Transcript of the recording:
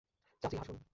চাচি, হাসুন।